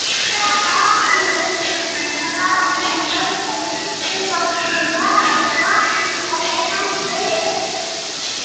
They argue that the environmental movement is both anti-private property and anti-people.